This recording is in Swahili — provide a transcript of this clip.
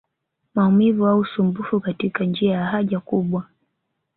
Maumivu au usumbufu katika njia ya haja kubwa